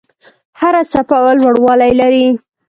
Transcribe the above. هره څپه لوړوالی لري.